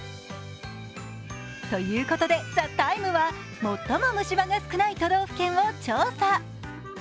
ということで、「ＴＨＥＴＩＭＥ，」は最も虫歯が少ない都道府県を調査。